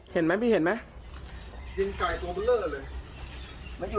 เห็นไหมพี่เห็นไหม